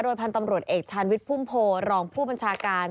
พันธุ์ตำรวจเอกชาญวิทย์พุ่มโพรองผู้บัญชาการ